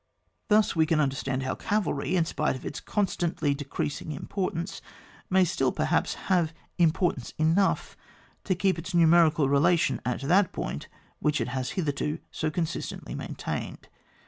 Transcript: Thus we can understand how cavalry, in spite of its constantly decreasing importance, may still, perhaps, have importance enough to keep its numerical relation at that point which it has hitherto so con stantly maintained.